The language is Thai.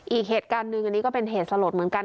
อีกเหตุการณ์หนึ่งอันนี้ก็เป็นเหตุสลดเหมือนกัน